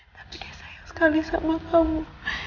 tapi sayang sekali sama kamu